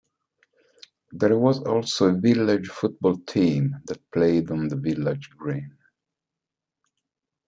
There was also a village football team that played on the village green.